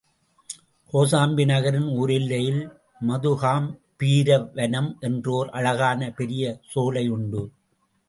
கோசாம்பி நகரின் ஊரெல்லையில் மதுகாம்பீர வனம் என்ற ஒர் அழகான பெரிய சோலை உண்டு.